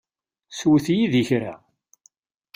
Swet yid-i kra.